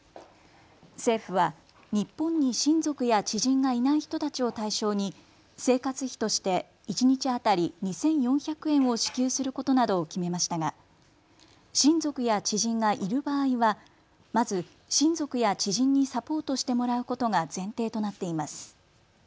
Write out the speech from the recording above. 政府は日本に親族や知人がいない人たちを対象に生活費として一日当たり２４００円を支給することなどを決めましたが親族や知人がいる場合はまず、親族や知人にサポートしてもらうことが前提となっています。